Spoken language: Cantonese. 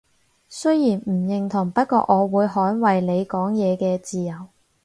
雖然唔認同，不過我會捍衛你講嘢嘅自由